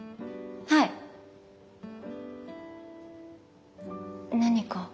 はい。何か？